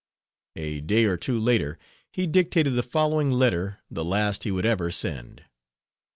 A day or two later he dictated the following letter the last he would ever send.